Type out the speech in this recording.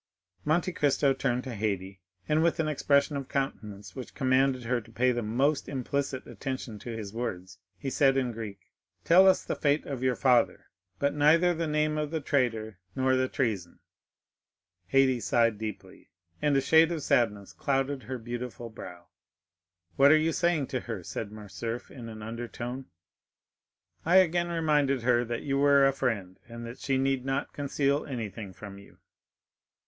Monte Cristo turned to Haydée, and with an expression of countenance which commanded her to pay the most implicit attention to his words, he said in Greek, "Πατρὸς μὲν ἄτην μήζε τὸ ὄνομα προδότου καὶ προδοσίαν εἰπὲ ἡμῖν,"—that is, "Tell us the fate of your father; but neither the name of the traitor nor the treason." Haydée sighed deeply, and a shade of sadness clouded her beautiful brow. "What are you saying to her?" said Morcerf in an undertone. "I again reminded her that you were a friend, and that she need not conceal anything from you."